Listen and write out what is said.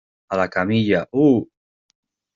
a la camilla. ¡ uh!